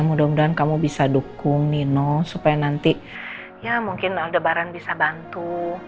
mudah mudahan kamu bisa dukung nino supaya nanti ya mungkin lebaran bisa bantu